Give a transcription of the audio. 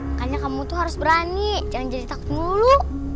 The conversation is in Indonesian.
makanya kamu tuh harus berani jangan jadi takut mulu